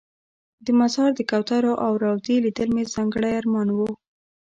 د مزار د کوترو او روضې لیدل مې ځانګړی ارمان و.